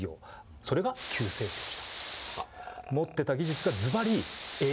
それが急成長した。